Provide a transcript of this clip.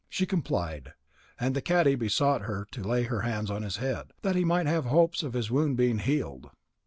She complied, and the cadi besought her to lay her hands on his head, that he might have hopes of his wound being healed.